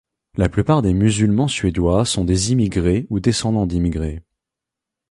La plupart des musulmans suédois sont des immigrés ou descendant d'immigrés.